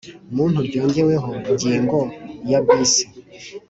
Muntu ryongewemo ingingo ya bis